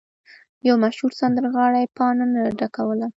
یو مشهور سندرغاړی پاڼه نه ډکوله.